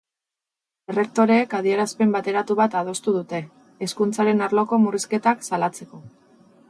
Errektoreek adierazpen bateratu bat adostu dute, hezkuntzaren arloko murrizketak salatzeko.